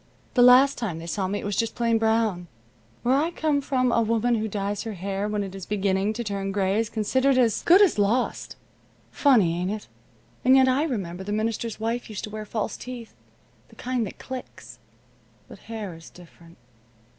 The last time they saw me it was just plain brown. Where I come from a woman who dyes her hair when it is beginning to turn gray is considered as good as lost. Funny, ain't it? And yet I remember the minister's wife used to wear false teeth the kind that clicks. But hair is different."